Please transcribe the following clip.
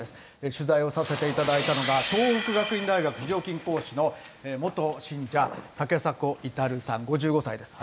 取材をさせていただいたのが、東北学院大学非常勤講師の元信者、竹迫之さん５５歳です。